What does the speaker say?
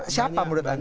siapa menurut anda